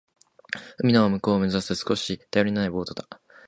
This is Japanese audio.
海の向こうを目指すには少し頼りないボートだ。